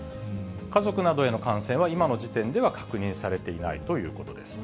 家族などへの感染は、今の時点では確認されていないということです。